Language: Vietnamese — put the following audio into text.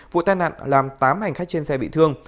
vụ tai nạn làm tám hành khách trên xe bị thương